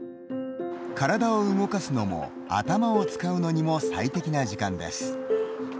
体を動かすのも頭を使うのにも最適な時間です。